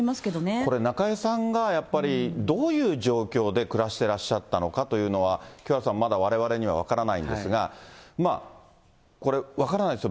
これ、中江さんがやっぱりどういう状況で暮らしてらっしゃったのかというのは、清原さん、まだわれわれには分からないんですが、これ、分からないですよ。